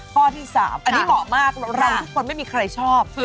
ข้อที่๓อันนี้เหมาะมากเราทุกคนไม่มีใครชอบ